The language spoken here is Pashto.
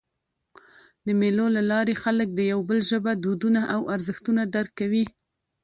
د مېلو له لاري خلک د یو بل ژبه، دودونه او ارزښتونه درک کوي.